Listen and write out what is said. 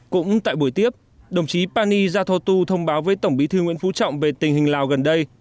cũng tại buổi tiếp đồng chí pani yathotu thông báo với tổng bí thư nguyễn phú trọng về tình hình lào gần đây